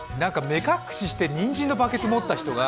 目隠ししてにんじんのバケツ持った人が